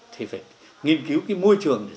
thì phải nghiên cứu môi trường